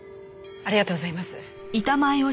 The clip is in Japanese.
ありがとうございます。